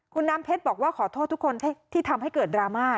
คุณน้ำเพชรบอกว่าขอโทษทุกคนที่ทำให้เกิดดราม่า